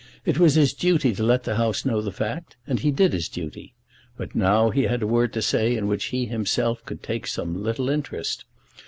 It was his duty to let the House know the fact, and he did his duty. But now he had a word to say in which he himself could take some little interest.